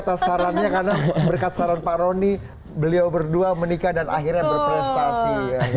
atas sarannya karena berkat saran pak roni beliau berdua menikah dan akhirnya berprestasi